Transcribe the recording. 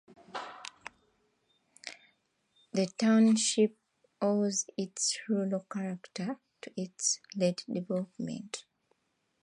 The township owes its rural character to its late development.